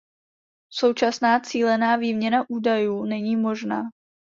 Současná cílená výměna údajů není možná.